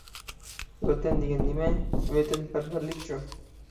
ۋەتەن دېگەن نېمە؟ ۋەتەنپەرۋەرلىكچۇ؟